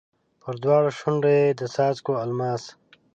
پر دواړو شونډو یې د څاڅکو الماس